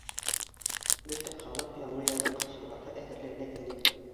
Бөтә халыҡ Яңы йылды ҡаршыларға әҙерләнә ине.